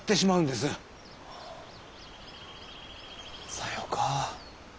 さよか。